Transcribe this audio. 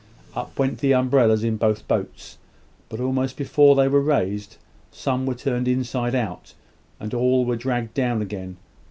Up went the umbrellas in both boats; but almost before they were raised, some were turned inside out, and all were dragged down again.